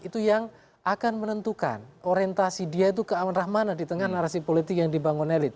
itu yang akan menentukan orientasi dia itu ke amanah mana di tengah narasi politik yang dibangun elit